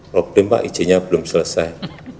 problem pak izinnya belum selesai